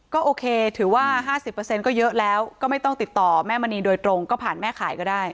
ก็โอเคถือว่า๕๐ก็เยอะแล้วก็ไม่ต้องติดต่อแม่มณีโดยตรงก็ผ่านแม่ขายก็ได้